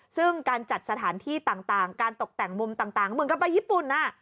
ซึ่งการจัดสถานที่ต่างการตกแต่งมุมต่างเหมือนกับไปญี่ปุ่น